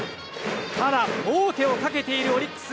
ただ、王手をかけているオリックス。